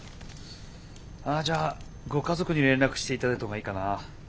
じゃあご家族に連絡して頂いたほうがいいかな。